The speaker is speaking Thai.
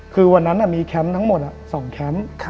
คือวันนั้นมีแคมป์ทั้งหมด๒แคมป์